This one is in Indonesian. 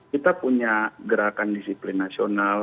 kita punya gerakan disiplin nasional